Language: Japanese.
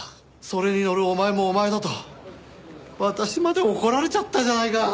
それに乗るお前もお前だと私まで怒られちゃったじゃないか。